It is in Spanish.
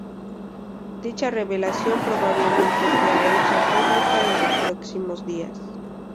Dicha revelación probablemente sea hecha pública en los próximos días.